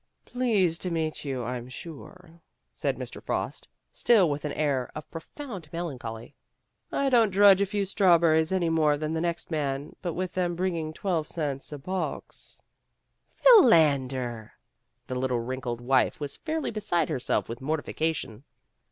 "Pleased to meet you, I'm sure," said Mr. Frost, still with an air of profound melancholy. "I don't grudge a few strawberries any more than the next man, but with them bringing twelve cents a box " "Philander!" The little wrinkled wife was fairly beside herself with mortification.